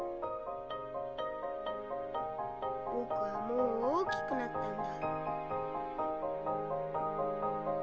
僕はもう大きくなったんだ。